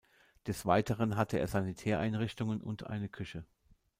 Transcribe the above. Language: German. Des Weiteren hatte er Sanitäreinrichtungen und eine Küche.